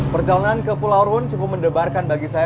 perjalanan ke pulau rune cukup mendebarkan bagi saya